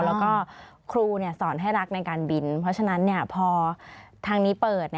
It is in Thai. แล้วก็ครูสอนให้รักในการบินเพราะฉะนั้นพอทางนี้เปิด